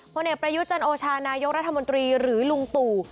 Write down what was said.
พ่อเนกประยุจนโอชานายกรัฐมนตรีหรือลุงตู่